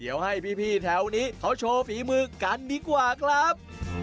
เดี๋ยวให้พี่แถวนี้เขาโชว์ฝีมือกันดีกว่าครับ